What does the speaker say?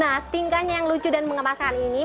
nah tingkahnya yang lucu dan mengemaskan ini